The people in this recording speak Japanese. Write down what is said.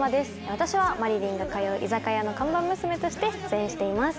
私は麻理鈴が通う居酒屋の看板娘として出演しています。